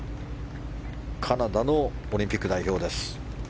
カナダのオリンピック代表です。